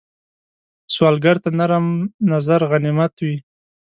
سوالګر ته نرم نظر غنیمت وي